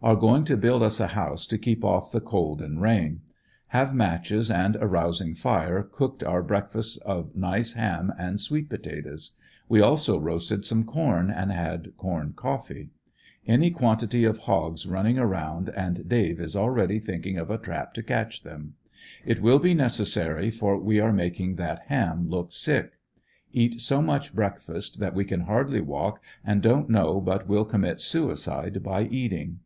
Are going to build us a house to keep off the cold and rain. Have matches and a rousing fire cooked our break fast of nice ham and sweet potatoes. We also roasted some corn and had corn coffee. Any quantity of hogs running around and Dave is already thinking of a trap to catch them. It will be necessary for we are making that ham look sick. Eat so much breakfast that we can hardly walk and don't know but will commit suicide by eating.